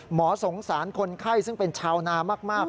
สงสารคนไข้ซึ่งเป็นชาวนามาก